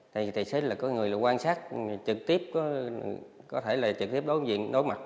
tài xế là có người quan sát trực tiếp có thể là trực tiếp đối mặt